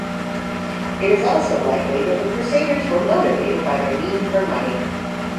It is also likely that the crusaders were motivated by their need for money.